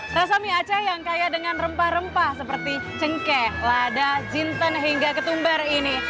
rasa mie aceh yang kaya dengan rempah rempah seperti cengkeh lada jinten hingga ketumbar ini